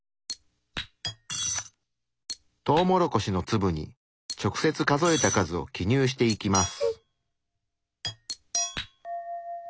トウモロコシの粒に直接数えた数を記入していきます。